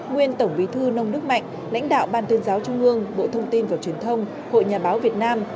nguyên tổng bí thư nông đức mạnh lãnh đạo ban tuyên giáo trung ương bộ thông tin và truyền thông hội nhà báo việt nam